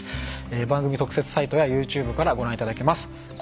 番組特設サイトやＹｏｕＴｕｂｅからご覧いただけます。